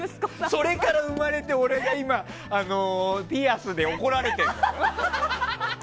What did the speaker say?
それから生まれた俺が今ピアスで怒られてんの。